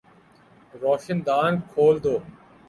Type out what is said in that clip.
روشن دان کھول دو